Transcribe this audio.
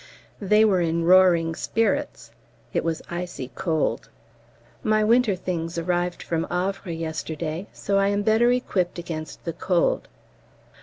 They were in roaring spirits; it was icy cold. My winter things arrived from Havre yesterday, so I am better equipped against the cold.